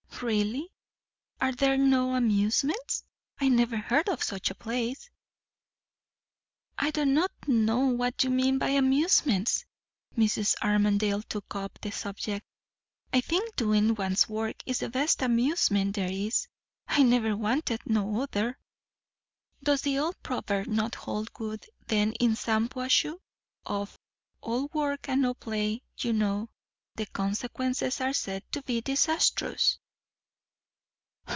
"Really? Are there no amusements? I never heard of such a place." "I don't know what you mean by amusements," Mrs. Armadale took up the subject. "I think, doin' one's work is the best amusement there is. I never wanted no other." "Does the old proverb not hold good then in Shampuashuh, of 'All work and no play' you know? The consequences are said to be disastrous."